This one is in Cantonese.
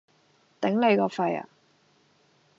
頂你個肺呀！